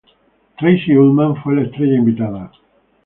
Tracey Ullman fue la estrella invitada.